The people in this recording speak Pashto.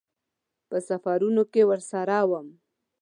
په سفرونو کې ورسره وم.